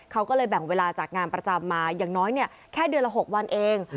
เขาก็เลยแบ่งเวลาจากงานประจำมาอย่างน้อยแค่เดือนละ๖วันเอง